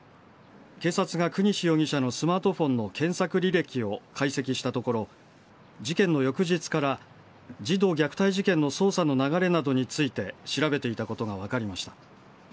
警察が國司容疑者のスマートフォンの検索履歴を解析したところ、事件の翌日から、児童虐待事件の捜査の流れなどについて調べていたことが分かりました。